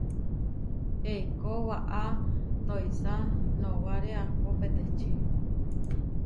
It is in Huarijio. Eikó waʼá toisá, nowáre ahpó peteči.